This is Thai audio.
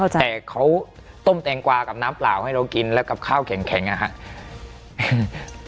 แต่เขาต้มแตงกวากับน้ำเปล่าให้เรากินแล้วกับข้าวแข็งนะครับ